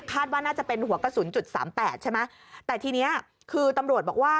ว่าน่าจะเป็นหัวกระสุนจุดสามแปดใช่ไหมแต่ทีเนี้ยคือตำรวจบอกว่า